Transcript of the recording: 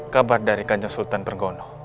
kabar dari kanjong sultan pergono